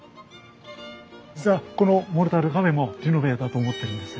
実はこのモルタル壁もリノベだと思ってるんですよ。